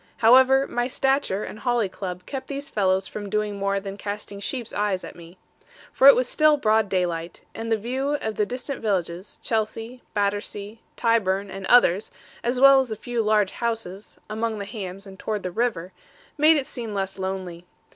However, my stature and holly club kept these fellows from doing more than casting sheep's eyes at me. For it was still broad daylight, and the view of the distant villages, Chelsea, Battersea, Tyburn, and others, as well as a few large houses, among the hams and towards the river, made it seem less lonely.